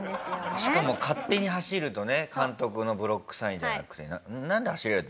しかも勝手に走るとね監督のブロックサインじゃなくて。